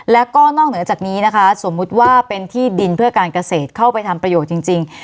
แล้วก็นอกเหนือจากนี้นะคะสมมุติว่าเป็นที่ดินเพื่อการเกษตรเข้าไปทำประโยชน์จริง